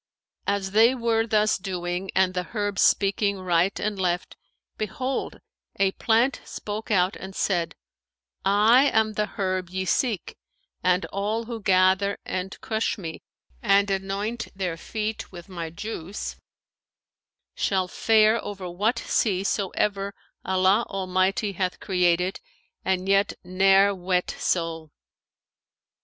As they were thus doing and the herbs speaking right and left, behold, a plant spoke out and said, 'I am the herb ye seek, and all who gather and crush me and anoint their feet with my juice, shall fare over what sea soever Allah Almighty hath created and yet ne'er wet sole.'